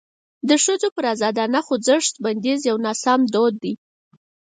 د ښځو پر ازادانه خوځښت بندیز یو ناسم دود دی.